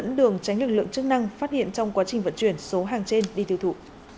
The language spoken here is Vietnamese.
dẫn đường tránh lực lượng chức năng phát hiện trong quá trình vận chuyển số hàng trên đi tiêu thụ